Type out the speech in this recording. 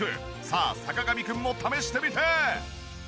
さあ坂上くんも試してみて！